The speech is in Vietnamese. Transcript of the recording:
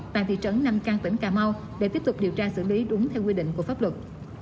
tại thị trấn nam căng tỉnh cà mau để tiếp tục điều tra xử lý đúng theo quy định của pháp luật